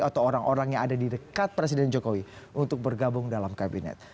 atau orang orang yang ada di dekat presiden jokowi untuk bergabung dalam kabinet